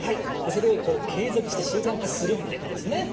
それを継続して習慣化するっていうことですね。